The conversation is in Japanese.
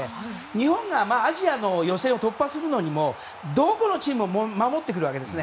日本がアジアの予選を突破するのにもどこのチームも守ってくるわけですね。